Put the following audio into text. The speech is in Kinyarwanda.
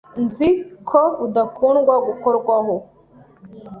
Nzi ko udakunda gukorwaho.